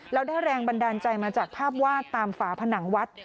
แล้วได้แรงบันดาลใจมาจากภาพวาดตามฝาผนังวัด